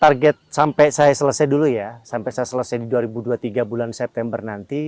target sampai saya selesai dulu ya sampai saya selesai di dua ribu dua puluh tiga bulan september nanti